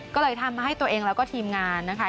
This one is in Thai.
ก็เลยทำให้ตัวเองแล้วก็ทีมงานนะคะ